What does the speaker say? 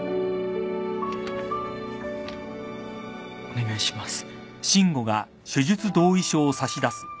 お願いします。